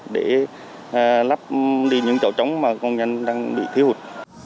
để lắp đi những chỗ trống mà công nhân đang bị thi hụt